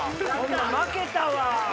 負けたわ！